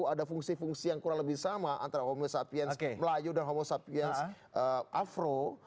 ada fungsi fungsi yang kurang lebih sama antara homo sapiens melayu dan homo sapiens afro